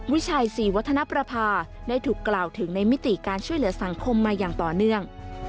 วิชัยศรีวัฒนประภาได้ถูกกล่าวถึงในมิติการช่วยเหลือสังคมมาอย่างต่อเนื่อง